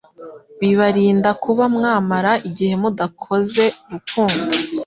bibarinda kuba mwamara igihe mudakoze urukundo